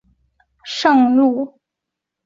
县名纪念天主教与东正教殉道圣人圣路济亚。